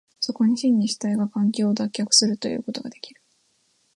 そこに真に主体が環境を脱却するということができる。